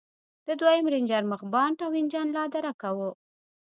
د دويم رېنجر مخ بانټ او انجن لادرکه و.